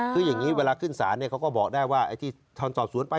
คืออย่างนี้เวลาขึ้นศาลเขาก็บอกได้ว่าไอ้ที่ทอนสอบสวนไป